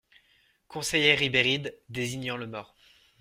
Conseillait Ribéride, désignant le mort.